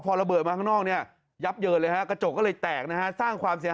พอระเบิดมาข้างนอกยับเยินเลย